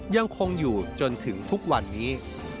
ยังคงอยู่จนถึงทุกวันนี้